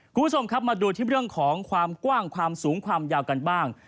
คุณผู้ชมครับมาดูที่เรื่องของความกว้างความสูงความยาวกันบ้าง